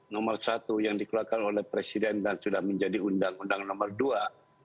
nomor satu yang dikeluarkan oleh presiden dan sudah menjadi undang undang nomor dua